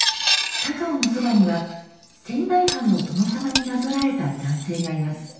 高尾のそばには仙台藩の殿様になぞらえた男性がいます。